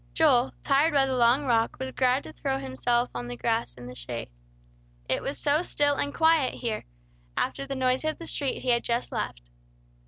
Joel, tired by the long walk, was glad to throw himself on the grass in the shade. It was so still and quiet here, after the noise of the street he had just left.